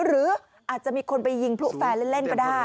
หรืออาจจะมีคนไปยิงพลุแฟนเล่นก็ได้